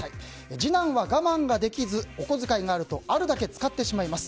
次男は我慢が出来ずお小遣いがあるとあるだけ使ってしまいます。